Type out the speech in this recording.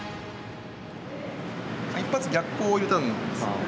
一発逆光を入れたんですね。